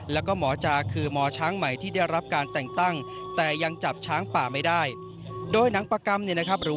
แล้วก็หมอจากหมอช้างใหม่ที่ได้รับการแต่งตั้งแต่ยังจับช้างป่าไม่ได้